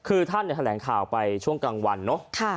คือท่านแถลงข่าวไปช่วงกลางวันเนอะ